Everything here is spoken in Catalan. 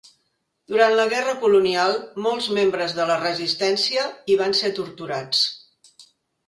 Durant la guerra colonial molts membres de la resistència hi van ser torturats.